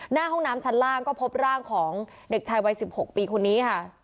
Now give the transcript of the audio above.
หน้าห้องน้ำชั้นล่างก็พบร่างของเด็กชายวัย๑๖ปีคนนี้ค่ะ